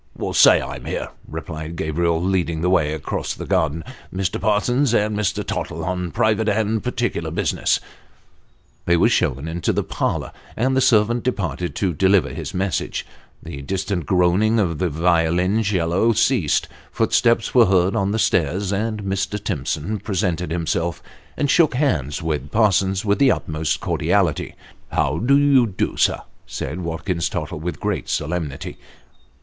" Say I'm here," replied Gabriel, leading the way across the garden ;" Mr. Parsons and Mr. Tottle, on private and particular business." They were shown into tho parlour, and the servant departed to deliver his message. The distant groaning of the violoncello ceased ; footsteps were heard on tho stairs ; and Mr. Timson presented himself, and shook hands with Parsons with tho utmost cordiality. Slightly Mistaken. 353 " How flo you do, sir ?" said Watkins Tottle, with great solemnity.